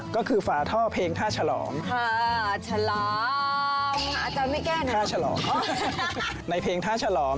ก็คือฝ่าท่อเพลงท่าฉลอม